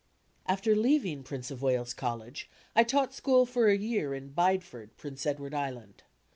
After leaving Prince of Wales College I taught school for a year in Bideford, Prince Edward Island.